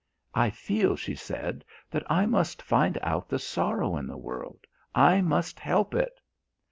"I feel," she said, "that I must find out the sorrow in the world, I must help it."